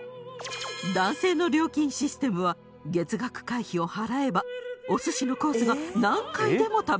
男性の料金システムは月額会費を払えばお寿司のコースが何回でも食べ放題。